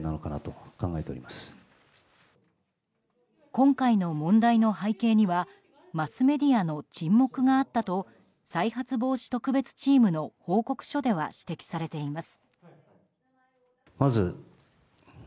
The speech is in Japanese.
今回の問題の背景にはマスメディアの沈黙があったと再発防止特別チームの報告書では指摘されています。